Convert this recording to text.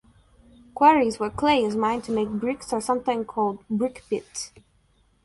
Quarries where clay is mined to make bricks are sometimes called brick pits.